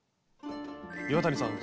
岩谷さん